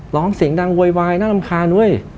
ร้องเสียงดังโวยวายน่ารำคาญเว้ย